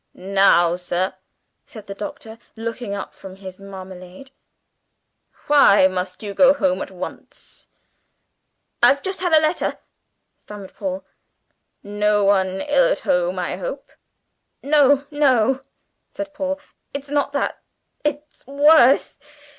"Now, sir," said the Doctor, looking up from his marmalade, "why must you go home at once?" "I've just had a letter," stammered Paul. "No one ill at home, I hope?" "No, no," said Paul. "It's not that; it's worse!